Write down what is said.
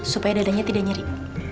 supaya dadanya tidak nyeri